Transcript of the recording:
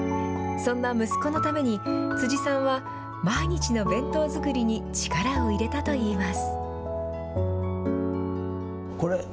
そんな息子のために、辻さんは毎日の弁当作りに力を入れたといいます。